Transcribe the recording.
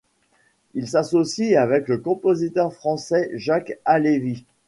Il s'associe avec le compositeur français Jacques Halévy.